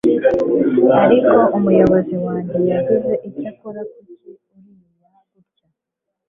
Ariko umuyobozi wanjye yagize icyo akora Kuki urira gutya